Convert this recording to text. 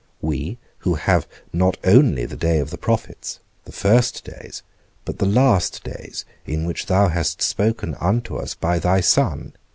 We, who have not only the day of the prophets, the first days, but the last days, in which thou hast spoken unto us by thy Son?